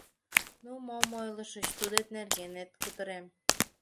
— Ну мом ойлышыч, тудет нергенет кутырем.